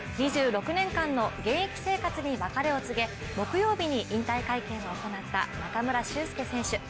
２６年間の現役生活に別れを告げ木曜日に引退会見を行った中村俊輔選手。